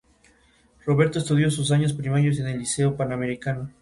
Roberto estudió sus años primarios en el Liceo Panamericano.